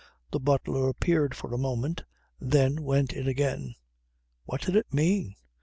The butler appeared for a moment, then went in again. What did it mean?